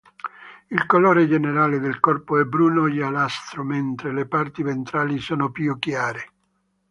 Il colore generale del corpo è bruno-giallastro, mentre le parti ventrali sono più chiare.